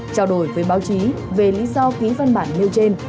trao đổi với báo chí về lý do ký văn bản nêu trên